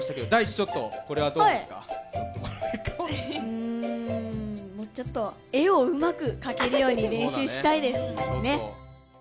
うんもうちょっと絵をうまく描けるように練習したいですね。